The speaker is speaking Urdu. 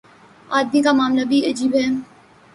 آدمی کا معاملہ بھی عجیب ہے۔